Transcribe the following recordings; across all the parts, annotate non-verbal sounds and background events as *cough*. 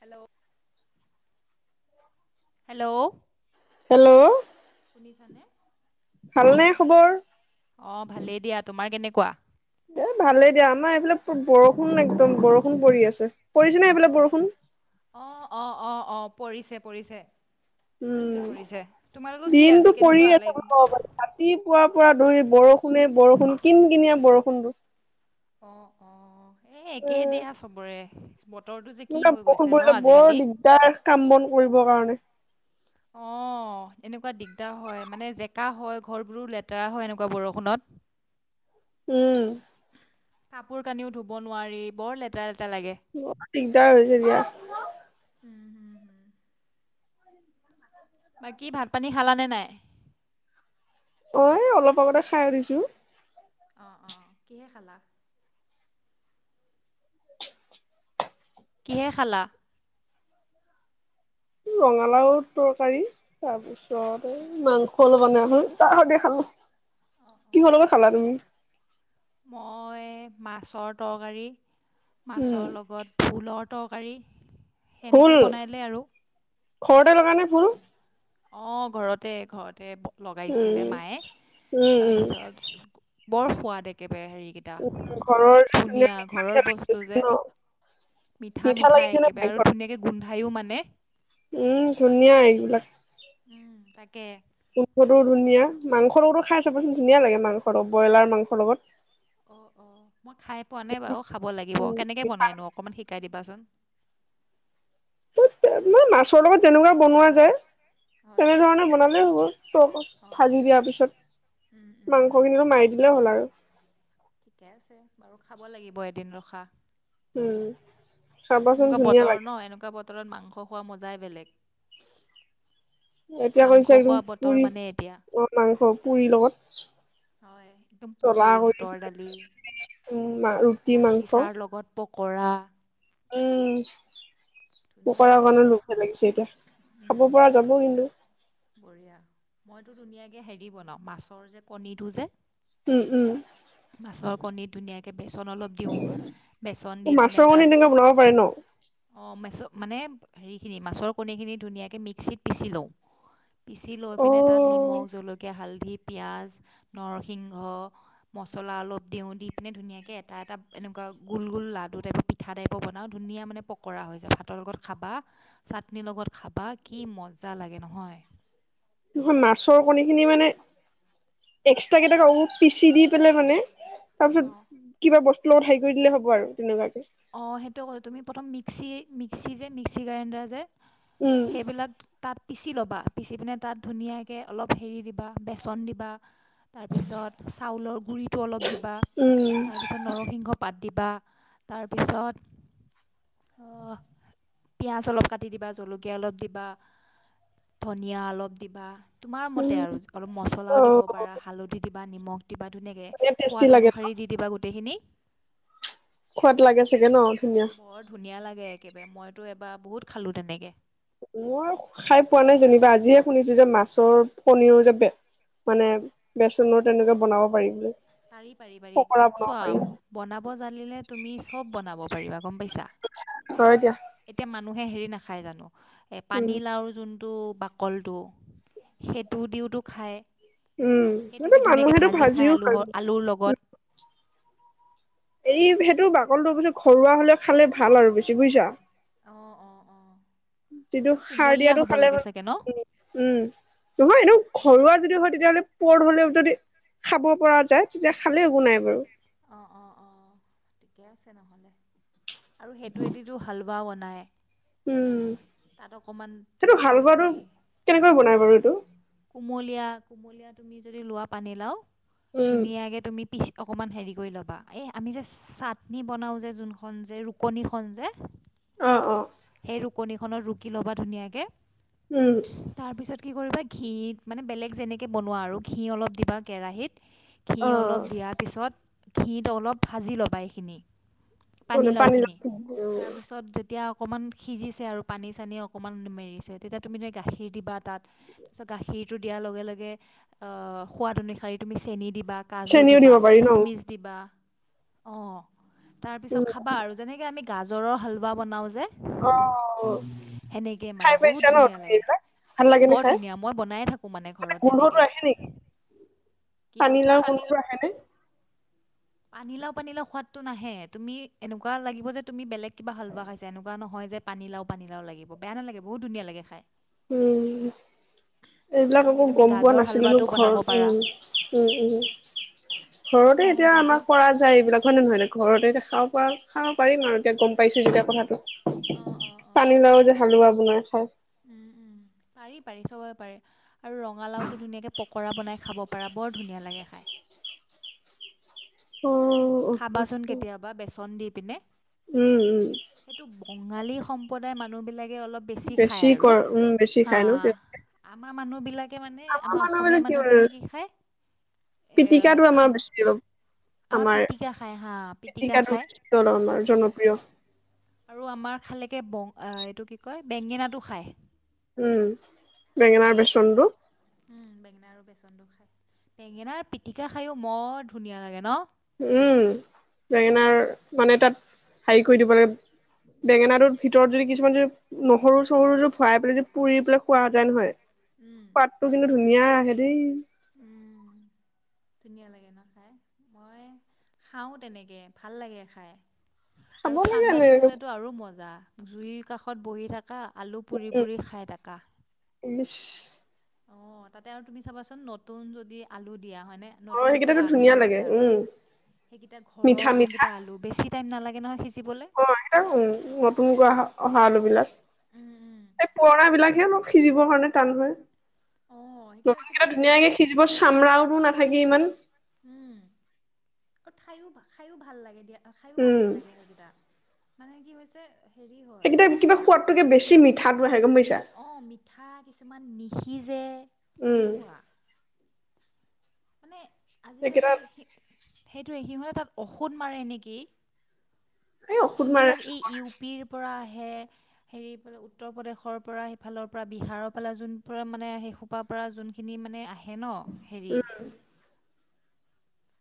Hello! Hello! Hello! শুনিছানে'? ভালনে খবৰ? অ' ভালেই দিয়া। তোমাৰ কেনেকুৱা? এ ভালেই দিয়া, আমাৰ এইফালে বৰষুণ একদম বৰষুণ পৰি আছে। পৰিছেনে এইফালে অঁ বৰষুণ? অ' অ' অ' অঁ পৰিছে, পৰিছে। পৰিছে উম পৰিছে, তোমালোকৰ কি দিনটো আজি পৰি কেনেকুৱা আছে লাইক? বুলি ক'ব পাৰি। ৰাতিপুৱাৰ পৰা ধৰি বৰষুণে বৰষুণ কিন-কিনিয়া বৰষুণ। অ' অ', এ একেই দিয়া এনেকুৱা চবৰে। বতৰটো যে কি হৈ বৰষুণ গৈছে ন' পৰিলে বৰ আজিকালি। দিগদাৰ কাম-বন কৰিবৰ কাৰণে। অ' এনেকুৱা দিগদাৰ হয় মানে জেকা হয় ঘৰবোৰো লেতেৰা হয় এনেকুৱা বৰষুণত। উম'। কাপোৰ-কানিও ধুব নোৱাৰি, বৰ লেতেৰা লেতেৰা লাগে। বৰ দিগদাৰ হৈছে এতিয়া। উম'। বাকী ভাত-পানী খালানে নাই? অ' এ অলপ আগতে খাই উঠিছোঁ। অ' অ', কিহে খালা? কি'হে খালা? ৰঙালাও তৰকাৰী। তাৰ পিছত এই মাংস অলপ অনা হ'ল, তাৰ সৈতে খালো। কিহৰ লগত খালা তুমি? মই মাছৰ তৰকাৰী, উম মাছৰ লগত ভোলৰ তৰকাৰী, সেনেকেই ভোল বনাই দিলে আৰু ঘৰতে লগা নে ফুল অঁ ঘৰতে ঘৰতে পোক লগাইছিলে উম মায়ে, উম উম তাৰপিছত বৰ সোৱাদ একেবাৰে, হেৰিকেইটা, ঘৰৰ যে ধুনীয়া ঘৰৰ মিঠা মিঠা লাগি বস্তু আছে যে, ন মিঠা মিঠা লাগিছে নে একেবাৰে নাই আৰু ঘৰত ধুনীয়াকে গোন্ধায়ো মানে উম, ধুনীয়া এইবিলাক। উম, তাকে দেখোতো ধুনীয়া, মাংসটোও খাই চাবচোন, ধুনীয়া লাগে মাংস ব্ৰইলাৰ মাংসৰ লগত। অ' অ' মই খায়ে পোৱা নাই বাৰু, খাব লাগিব, উম কেনেকে বনাইনো অকমান শিকাই দিবাচোন। *unintelligible* মই মাছৰ যেনেকুৱা বনোৱা যায়, হয় তেনেধৰণে বনালেই হ'ব। ত অঁ ভাজি দিয়াৰ উম, পিছত উম, মাংসখিনিতো মাৰি দিলে হ'ল আৰু ঠিকে আছে বাৰু খাব লাগিব এদিন ৰখা। উম চাবাচোন এনকুৱা ধুনীয়া বতৰ লাগে ন' এনকুৱা বতৰত মাংস খোৱা মজাই বেলেগ। এতিয়া মাংস কৈছে একদম খোৱা বতৰ পুৰি মানে এতিয়া অঁ মাংস পুৰি লগত। হয়। একদম জ্বলা পুৰি, কৰি বুটৰ দালি, উম ৰুটি গাখীৰ মাংস চাৰ লগত পকৰা, উম। ধুনীয়া পকৰা লাগে কাৰণে খাই লোভে লাগিছে এতিয়া, খাব পৰা যাব কিন্তু বঢ়িয়া। মইতো ধুনীয়াকৈ হেৰি বনাওঁ, মাছৰ যে কণীটো যে উম, উম। মাছৰ কণীত ধুনীয়াকে বেচন অলপ দিওঁ বেচন এই দি পিনে মাছৰ কণী তাত তেনেকে বনাব পাৰে ন অঁ মেছ মানে হেৰিখিনি মাছৰ কণীখিনি ধুনীয়াকৈ মিক্সিত পিচি লওঁ। পিচি লৈ পিনে তাত, শ নিমখ, জলকীয়া, হালধি পিঁয়াজ, নৰসিংহ মছলা অলপ দিওঁ। দি পিনে ধুনীয়াকে এটা এটা এনেকুৱা গোল গোল লাডু টাইপট পি পিঠা টাইপ বনাওঁ। ধুনীয়া মানে পকৰা হৈ যায়। ভাতৰ লগত খাবা চাটনি লগত খাবা, কি মজা লাগে নহয়। নহয়, মাছৰ কণী খিনি মানে এক্সট্ৰা কেইটাও পিচি দি পেলাই মানে, তাৰ অ পিছত কিবা বস্তুৰ লগত হেৰি কৰি দিলে হ'ব আৰু তেনেকুৱাকে? অঁ সেইটো ক' তুমি প্ৰথম মিক্সি মিক্সি যে মিক্সি গ্ৰাইণ্ডাৰ যে উম। সেইবিলাক তাত পিচি ল'বা, পিচি পিনে তাত ধুনীয়াকে অলপ হেৰি দিবা, বেচন দিবা। তাৰপিছত চাউলৰ গুড়িটো অলপ দিবা। উম তাৰপিছত নৰসিংহ পাত দিবা তাৰপিছত অঁহ পিঁয়াজ অলপ কাটি দিবা, জলকীয়া অলপ দিবা ধনিয়া অলপ দিবা, তোমাৰ মতে আৰু অলপ অ মছলাও দিব পাৰা হালধি দিবা, নিমখ দিবা, ধুনীয়াকে। ধুনীয়া টেষ্টি সোৱাদ লাগে ন অনুসাৰি দি দিবা গোটেইখিনি। সোৱাদ লাগে চাগে ন' ধুনীয়া বৰ ধুনীয়া লাগে একেবাই, মইতো এবাৰ বহুত খালোঁ তেনেকে। মই খাই পোৱা নাই যেনিবা, আজিহে শুনিছো যে মাছৰ কনীৰ যে বে মানে বেচনৰ তেনেকে বনাব পাৰি বুলি। পাৰি পাৰি পাৰি পকৰা বনাব চোৱা পাৰি বনাব জানিলে তুমি চব বনাব পাৰিবা গ'ম পাইছা? হয় দিয়া। এতিয়া মানুহে হেৰি নাখায় জানো এ উম পানীলাওৰ যোন টো বাকলটো সেইটো দিওতো খায়। উম সেইটো সেইটোদি ধুনীয়াকে মানুহেতো ভাজি খাই ভাজিও খায় আলুহৰ আলুৰ লগত। এই সেইটো বাকলিটো পিছে ঘৰুৱা হ'লে খালে ভাল আৰু বেছি বুইছা। অ অ অ যিটো আৰু সাৰ কুমলীয়া দিয়াটো হ'ব খালে লাগে মানে চাগে ন? উম নহয় এনেই ঘৰুৱা যদি হয় তেতিয়াহ'লে পুৰঠ হ'লেও যদি খাব পৰা যায়, তেতিয়া খালে একো নাই বাৰু। অ অ অ ঠিকে আছে নহ'লে, আৰু সেইটোৱেদিতো হালোৱা বনাই উম, সেইটো যদি তুমি হোলোৱাটো হেৰি কেনেকৈ বনাই বাৰু এইটো? কুমলীয়া কুমলীয়া তুমি যদি লোৱা পানীলাও, উম ধুনীয়াকৈ তুমি পিচি অকণমান হেৰি কৰি ল'বা, এই আমি যে চাটনি বনাও যে যোনখন যে ৰুকনিখন যে অ অ সেই ৰুকনিখনত ৰুকি ল'বা ধুনীয়াকে উম তাৰপিছত কি কৰিবা ঘি মানে বেলেগ যেনেকে বনোৱা আৰু, ঘি অলপ দিবা কেৰাহীত ঘি অ অলপ দিয়াৰ পিছত, ঘিত অলপ ভাজি ল'বা এইখিনি। মানে পানীলাও পানীলাওখিনি উম তাৰপিছত যেতিয়া অকণমান সিজিছে আৰু পানী চানী অকণমান মেৰিছে, তেতিয়া তুমি যে গাখীৰ দিবা তাত তাৰপিছত গাখীৰটো দিয়াৰ লগে লগে অ সোৱাদ অনুসৰি তুমি চেনি দিবা। কাজু চেনিও দিবা দিব পাৰি ন কিচমিচ দিবা অ তাৰপিছত উম খাবা আৰু যেনেকে আমি গাজৰৰ হালোৱা বনাও যে অ সেনেকৈ খাই মানে বহুত পাইছা ন ধুনীয়া তুমি লাগে এইবিলাক? ভাল অঁ লাগে নে বৰ খাই, ধুনীয়া মই বনায়ে থাকোঁ মানে ঘৰত গোন্ধটো তেনেকৈ আহে নেকি? কি পানীলাওৰ কৈছা গোন্ধটো আহেনে? পানীলাও পানীলাও সোৱাদটো নাহে, তুমি এনেকোৱা লাগিব যে তুমি বেলেগ কিবা হালোৱা খাইছা এনেকো নহয় যে পানীলাও পানীলাও লাগিব বেয়া নালাগে বহুত ধুনীয়া লাগে খাই উম এইবিলাক আকৌ তেনেকৈ তুমি গম পোৱা গাজৰ নাছিলো ন হালোৱাটোও বনাব ঘৰত পাৰা উ উ উ ঘৰতে অঁ এতিয়া আমাৰ গাজৰ কৰা যায় এইবিলাক। হয় নে নহয় এতিয়া ঘৰতে এতিয়া খাব পৰা খাব পাৰিম আৰু এতিয়া গম পাইছো যেতিয়া কথাটো অঁ পানীলাও যে হালোৱা বনাই খায়। উম উম পাৰি পাৰি চবে পাৰি। আৰু ৰঙালাওটো ধুনীয়াকে পকৰা বনাই খাব পাৰা বৰ ধুনীয়া লাগে খায়। অ', অ', অ', খাবাচোন অ'। কেতিয়াবা বেচন দি পিনে। উম উম সেইটো বঙালী সম্প্ৰদায়ৰ মানুহবিলাকে অলপ বেছি খায় আৰু কৰ উম বেছি হা খাই ন আমাৰ মানুহবিলাকে মানে আমাৰ মানুহ মানে অসমীয়া আৰু মানুহখিনিয়ে কি খায় এ পিটিকাটো আম আমাৰ বেছি ৰব। আমাৰ পিটিকা খায় হা পিটিকা পিটিকাটো খায় বেছি আমাৰ জনপ্ৰিয় আৰু আমাৰ খালেকে বং অ এইটো কি কয় বেঙেনাটো খায় উম বেঙেনাৰ বেচনটো। বেঙেনা আৰু বেচনটো খায় বেঙেনাৰ পিটিকা খায়ো বৰ ধুনীয়া লাগে ন'। উম' বেঙেনাৰ মানে তাত হেৰি কৰি দিব লাগে। বেঙেনাটোৰ ভিতৰত যদি কিছুমান যদি নহৰু, চহৰু ভৰাই পেলাই যে পুৰি পেলাই খোৱা যায় নহয়। উম'। ত' কিন্তু ধুনীয়া আহে দেই। উম, ধুনীয়া লাগে ন' খাই, মই খাওঁ তেনেকে ভাল লাগে খাই। খাব আৰু লাগে ঠাণ্ডা এনেকে দিন উম হ'লেতো আৰু মজা জুইৰ কাষত বহি থাক। কা আলু পুৰি পুৰি খাই থাকা। ইচ! অ' তাতে আৰু তুমি চাবাচোন নতুন যদি আলু দিয়া হয় নে। অ নতুন বোলে সেইকেইটাতো আলু ধুনীয়া লাগে আহিছে আৰু, উম সেইকেইটা ঘৰৰ মিঠা মিঠা যোনকেইটা আলু। বেছি টাইম নালাগে নহয় সিজিবলে। অ' *unintelligible* নতুনকৈ অহা আলু বিলাক। এই পুৰণা বিলাকহে অলপ সিজিবৰ কাৰণে টান হয়। অঁ সেইকেইটা নতুনকেইটা কিবা ধুনীয়াকে সিজিব, চামৰাওহো নাথাকে ইমান। উম! অ' খায়ো খায়ো ভাল লাগে দিয়া, খায়ো ভাল উম নালাগে সেইকেইটা। মানে কি হৈছে হেৰি হয় সেইকেইটা কিবা সোৱাদটোকে বেছি মিঠাটো আহে। গম পাইছা? অ মিঠা, কিছুমান নিসিজে উম তেনেকুৱা। মানে আজিকালি সেইকেইটা সি সেইটোৱে সিহঁতে তাত ঔষধ মাৰে নেকি। এই ঔষধ মাৰে যোনবিলাক এই ইউ পিৰ পৰা আহে। হেৰিফালে উত্তৰ প্ৰদেশৰ পৰা সিফালৰ পৰা বিহাৰৰ ফালে। *unintelligible* মানে সেই পৰা যোনখিনি মানে আহে ন' হেৰি। উম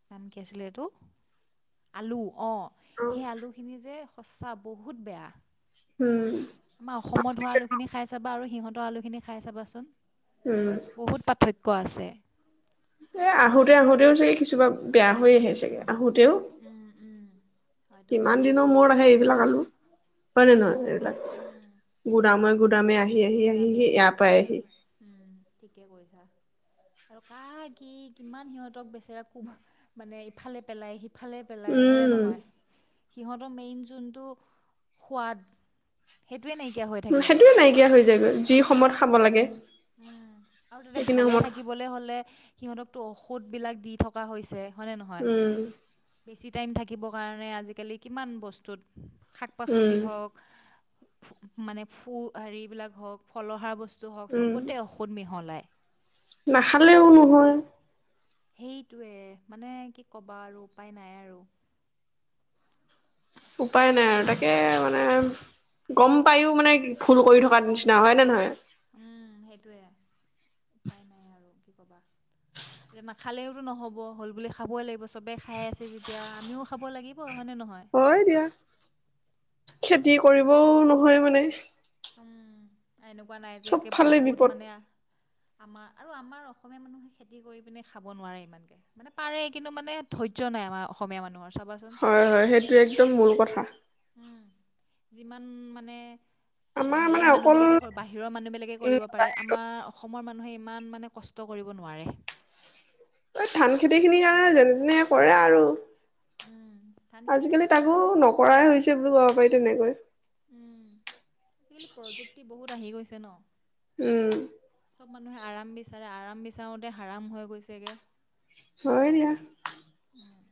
নাম কি আছিলে এইটো, আলু! অ' সেই আলু খিনি যে সঁচা বহুত বেয়া। উম'। আমাৰ উম অসমত হোৱা আলুখিনি খাই চাবা, আৰু সিহঁতৰ আলুখিনি খাই চাবাছোন। উম'। বহুত পাৰ্থক্য আছে। এই আহোঁতে আহোতেও চাগে কিছুমান বেয়া হৈ আহে চাগে, আহোঁতেও। উম উম হয়টো হয় ইমান বাৰু দিনৰ মূৰত আহে এইবিলাক আলু। হয় নে নহয়? অঁ এইবিলাক উম গুদামে গুদামে আহি আহি আহি গুদামে আহি ইয়াৰ গুদামে আহি পাইহি। আহি উম' ঠিকেই কৈছা। আৰু কাৰ কি কিমান সিহঁতক বেচেৰা কোব মানে ইফালে পেলাই সি সিফালে পেলাই। হয়নে উম নহয়? সিহঁতৰ মেইন যোনটো সোৱাদ, সেইটোৱে নাইকিয়া হৈ থাকেগে। বেয়া হৈ যায়গৈ, যি সময়ত খাব লাগে। উম' আৰু তাতে সেইখিনি ভালে সময়ত থাকিবলৈ হ'লে সিহঁতকতো ঔষধ বিলাক দি থকা হৈছে। হয়নে নহয়? উম বেছি টাইম থাকিবৰ কাৰণে আজিকালি কিমান বস্তুত শাক -পাচলি উম হওক মানে ফু হেৰিবিলাক হওক। ফলহাৰ বস্তু হওক, উম চবতে ঔষধ মিহলাই। নাখালেও নহয়। সেইটোৱে মানে কি কবা আৰু, উপায় নাই আৰু। উপায় নাই তুমি আৰু। আহ তাকে মানে গ'ম পাইও মানে ভুল কৰি থকাৰ নিচিনা হয় নে নহয়? উম, সেইটোৱে উপায় নাই আৰু কি কবা। *inaudible* এ নাখালেওতো নহ'ব হ'ল বুলি খাবই লাগিব চবেই খাই আছে যেতিয়া আমিও খাব লাগিব। হয়নে নহয়? হয় দিয়া, কি হ'ব খেতি কৰিবও নহয় মানে। উম, এনেকুৱা নাই চব যে ফালে বহুত বিপদ মানে আমাৰ আৰু আমাৰ অসমীয়া মানুহ খেতি খেতি কৰি পিনে খাব নোৱাৰে ইমানকে, মানে পাৰে কিন্তু মানে ধৈৰ্য অসমীয়া মানুহৰ চাবাচোন। হয় হয় সেইটোৱে একদম মূল কথা। উম, যিমান মানে আমাৰ মানে বেলেগ অকল মানুহবিলাকে বাহিৰৰ মানুহবিলাকে কৰিব উম পাৰে। আমাৰ অসমৰ মানুহে ইমান মানে কষ্ট কৰিব নোৱাৰে। ধান খেতিখিনিৰ কাৰণে যেনে তেনে কৰে আৰু। উম ধান খেতিখিনি আজিকালি তাকো কৰিব নকৰাই হৈছে, বুলি কব পাৰি তেনেকৈ। উম, আজিকালি প্ৰযুক্তি বহুত আহি গৈছে ন। উম'। চব মানুহে আৰাম বিচাৰে, আৰাম বিচাৰোতে হৰাম হৈ গৈছেগে। হয় দিয়া। উম'।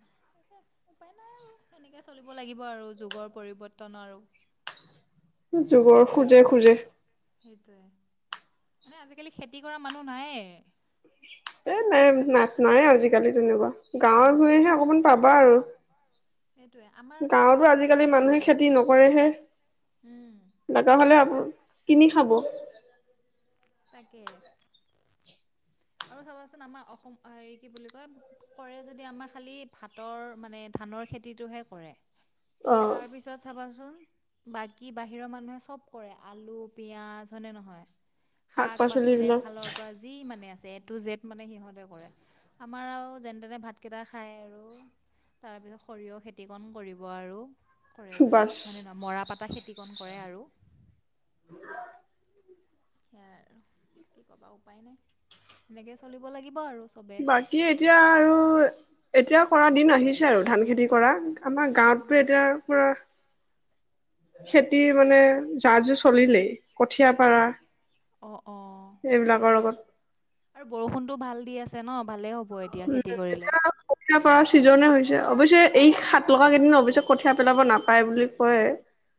উপায় নাই আৰু সেনেকে চলিব লাগিব আৰু যুগৰ পৰিৱৰ্তন আৰু। যুগৰ খোজে খোজে। সেইটোৱে, মানে আজিকালি খেতি কৰা মানুহ নায়েই। এই নাই নাট নাই আজিকালি তেনেকুৱা গাঁৱৰ-ভূঞেহে অকমান পাবা আৰু। সেইটোৱেই, আমাৰ গাঁৱতো খেতি কৰিলে আজিকালি কি মানুহে কৰিবনো? খেতি উম! লাগা হ'লে আপ কিনি খাব। তাকে! আৰু চাবাচোন, আমাৰ অসম হেৰি কি বুলি কয় কৰে যদি আমাৰ খালি, ভাতৰ মানে ধানৰ খেতিটোহে কৰে। তাৰ পিছত চাবাচোন। বাকী, বাহিৰৰ মানুহে চব কৰে আলু, পিয়াজ, হয়নে‌ নহয়? শাক শাক-পাচলি পাচলিবিলাক এফালৰ পৰা যি মানে আ জেটো জেট মানে সিহঁতে কৰে, আমাৰ আৰু যেন তেনে ভাতকেইটা খায় আৰু। তাৰপিছত সৰিয়হ খেতিকণ কৰিব আৰু। কৰে যদি, বাছ হয়নে নহয়? মৰা পাতা খেতিকণ কৰে আৰু। সেয়াই আৰু কি ক'বা উপায় নাই, সেনেকে চলিব লাগিব আৰু চবে। বাকী এতিয়া আৰু এতিয়াও কৰা দিন আহিছে আৰু ধান খেতি কৰা। আমাৰ উম গাঁৱত উম তো এতিয়া পুৰা খেতিৰ মানে যা-যোৰ চলিলেই। কঠীয়া পাৰা ভাল। অঁ অঁ ভালেই এইবিলাকৰ দিয়া লগত। আৰু বৰষুণতো ভাল দি আছে ন', ভালেই হ'ব। এতিয়া উম, খেতি কৰিলে এতিয়া। *unintelligible* কঠীয়া পৰা ছিজনে হৈছে, অৱশ্যে এই সাত লগা কেইদিন অৱশ্যে কঠীয়া পেলাব নাপায় বুলি কয়।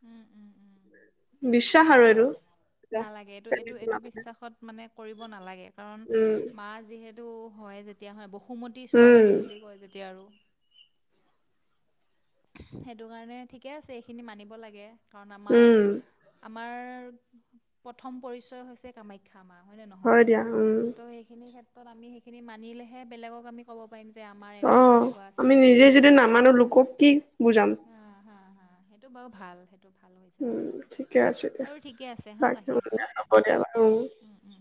উম' উম'। উম নালাগে *unintelligible* নালাগে, এইটো এইটো এইটো বিশ্বাসত মানে কৰিব নালাগে। কাৰণ উম মা যিহে তু হয় যেতিয়া হা বসুমতি চোৱা উম লাগে বুলি কয় যেতিয়া আৰু। সেইটো কাৰণে ঠিকে আছে এইখিনি মানিব লাগে কাৰণ আমাৰ উম আমাৰ প্ৰথম পৰিচয় হৈছে কামা খ্যা মা হয় নে নহয় দিয়া উম ত' সেইখিনি ক্ষেত্ৰত আমি সেইখিনি মানিলেহে বেলেগক আমি ক'ব পাৰিম যে আমাৰ অ এনেকুৱা তেনেকুৱা আছে আমি বুলি। নিজে যদি নামানো লোকক কি বুজাম। উম হা হা হা সেইটো বাৰু ভাল সেই টো ভাল হৈছে উম ভাল হৈছে ঠিকে আছে দিয়া বাৰু ঠিকে আছে হা বাকী ৰাখিছো হ'ব দিয়া বাৰু উম। উম।